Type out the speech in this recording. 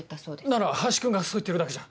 なら林君がそう言ってるだけじゃ。